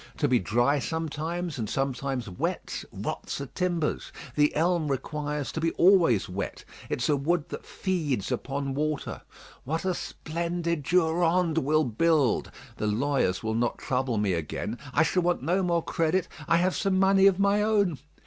To be dry sometimes, and sometimes wet, rots the timbers; the elm requires to be always wet; it's a wood that feeds upon water. What a splendid Durande we'll build. The lawyers will not trouble me again. I shall want no more credit. I have some money of my own.